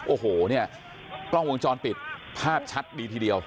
โอ้โหเนี่ยกล้องวงจรปิดภาพชัดดีทีเดียว